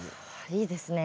いいですね。